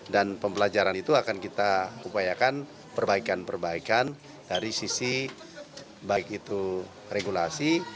dan pembelajaran itu akan kita upayakan perbaikan perbaikan dari sisi baik itu regulasi